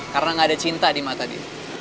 karena gak ada cinta di mata dia